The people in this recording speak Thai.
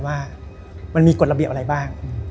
ว่ามันมีกฎระเบียบอะไรบ้าง